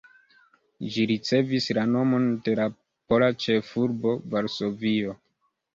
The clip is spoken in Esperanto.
Ĝi ricevis la nomon de la pola ĉefurbo Varsovio.